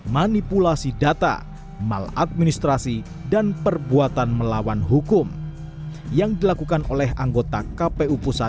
manipulasi data maladministrasi dan perbuatan melawan hukum yang dilakukan oleh anggota kpu